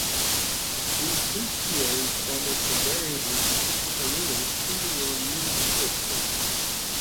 These bestiaries almost invariably depict hyenas feeding on human corpses.